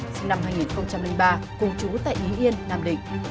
sinh năm hai nghìn ba cùng chú tại ý yên nam định